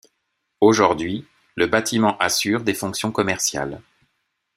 Aujourd'hui, le bâtiment assure des fonctions commerciales.